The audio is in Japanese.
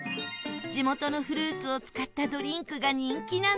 地元のフルーツを使ったドリンクが人気なんだそう